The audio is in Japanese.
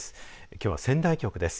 きょうは仙台局です。